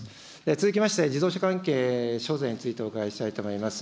続きまして、自動車関係諸税についてお伺いしたいと思います。